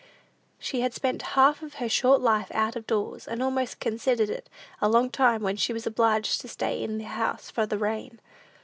She had spent half of her short life out of doors, and almost considered it lost time when she was obliged to stay in the house for the rain.